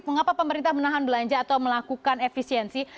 mengapa pemerintah menahan belanja atau melakukan efisiensi